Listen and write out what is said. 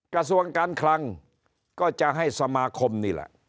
กระทรวงการคลังก็จะให้สมาคมนี่แหละ